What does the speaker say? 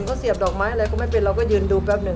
เขาเสียบดอกไม้อะไรก็ไม่เป็นเราก็ยืนดูแป๊บหนึ่ง